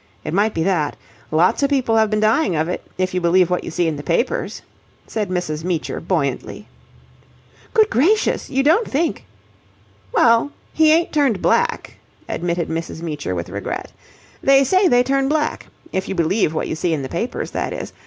It might be that. Lots o' people have been dying of it, if you believe what you see in the papers," said Mrs. Meecher buoyantly. "Good gracious! You don't think...?" "Well, he ain't turned black," admitted Mrs. Meecher with regret. "They say they turn black. If you believe what you see in the papers, that is.